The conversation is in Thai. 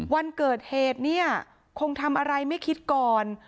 วันเกิดเหตุเนี่ยคงทำอะไรไม่คิดก่อน